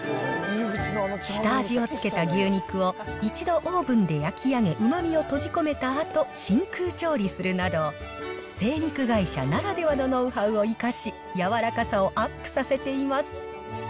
下味を付けた牛肉を一度オープンで焼き上げ、うまみを閉じ込めたあと、真空調理するなど、生肉会社ならではのノウハウを生かし、やわらかさをアップさせています。